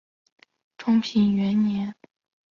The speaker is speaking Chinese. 中平元年。